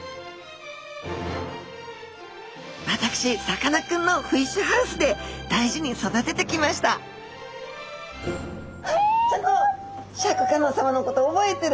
私さかなクンのフィッシュハウスで大事に育ててきましたちゃんとシャーク香音さまのこと覚えてる。